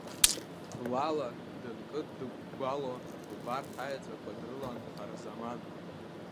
Блала дынкыдыгәгәало убарҭ аеҵәақәа дрылан Харзаман.